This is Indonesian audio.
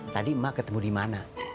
tadi emak ketemu dimana